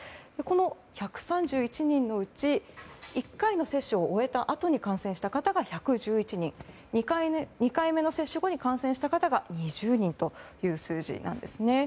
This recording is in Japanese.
１３１人のうち１回の接種を終えたあとに感染した方が１１１人２回目の接種後に感染した方が２０人という数字なんですね。